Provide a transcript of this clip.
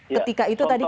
ketika itu tadi kan